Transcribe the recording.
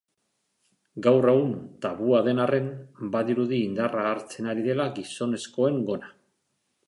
Gaur egun tabua den arren, badirudi indarra hartzen ari dela gizonezkoen gona.